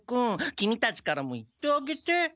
キミたちからも言ってあげて。